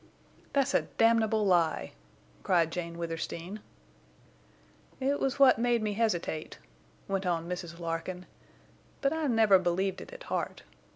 "That's a damnable lie!" cried Jane Withersteen. "It was what made me hesitate," went on Mrs. Larkin, "but I never believed it at heart.